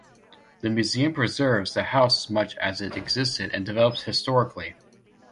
The museum preserves the house much as it existed and developed historically.